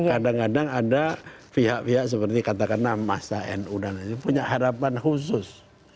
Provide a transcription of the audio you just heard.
kadang kadang ada pihak pihak seperti katakanlah masa nu dan lain lain punya harapan khusus